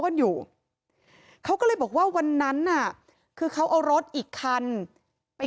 กันอยู่เขาก็เลยบอกว่าวันนั้นน่ะคือเขาเอารถอีกคันไป